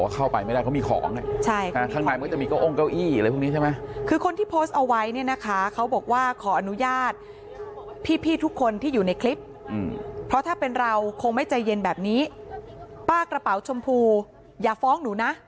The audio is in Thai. ซาว่าเขาบอกว่าเข้าไปไม่ได้เขามีของ